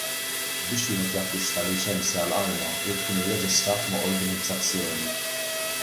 Biex wieħed jakkwista liċenzja għal arma jrid ikun irreġistrat ma' organizzazzjoni.